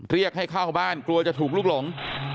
เรียกให้เข้าบ้านกลัวจะถูกลุกหลง